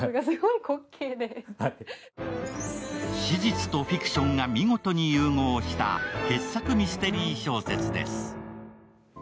史実とフィクションが見事に融合した傑作ミステリー小説です。